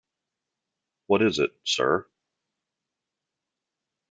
What is it, Sir?